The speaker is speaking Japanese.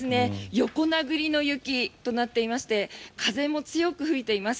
横殴りの雪となっていまして風も強く吹いています。